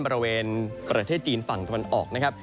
บริเวณประเทศจีนฝั่งตะวันออกนะครับ